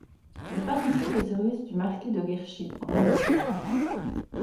Il passe ensuite au service du marquis de Guerchy en Angleterre.